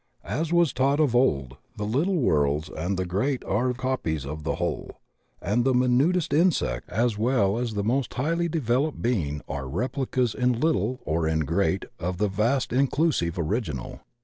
As was taught of old, the little worlds and the great are copies of the whole, and the minutest insect as well as the most highly developed being are replicas in little or in great of the vast in clusive original.